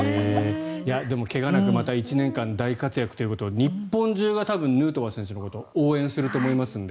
でも怪我なくまた１年間大活躍ということを日本中がヌートバー選手のことを応援すると思いますので。